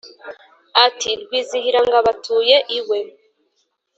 Ati : Rwizihirangabo atuye iwe